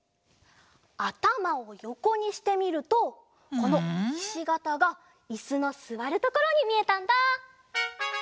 あたまをよこにしてみるとこのひしがたがいすのすわるところにみえたんだ。